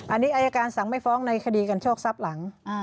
อันนี้อายการสั่งไม่ฟ้องในคดีกันโชคทรัพย์หลัง